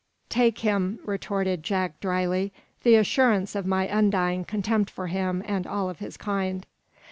"Take him," retorted Jack, dryly, "the assurance of my undying contempt for him and all of his kind."